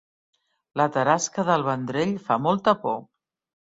La tarasca del Vendrell fa molta por